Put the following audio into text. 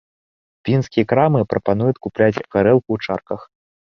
Пінскія крамы прапануюць купляць гарэлку ў чарках.